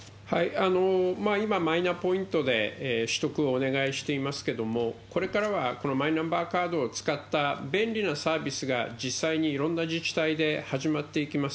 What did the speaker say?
今、マイナポイントで取得をお願いしていますけれども、これからはこのマイナンバーカードを使った便利なサービスが実際にいろんな自治体で始まっていきます。